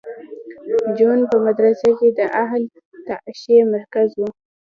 جون په مدرسه کې د اهل تشیع مرکز و